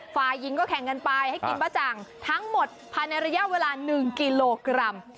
ฝ่ายหญิงก็แข่งกันไปให้กินบ้าจังทั้งหมดภายในระยะเวลา๑กิโลกรัม